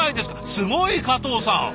すごい！加藤さん。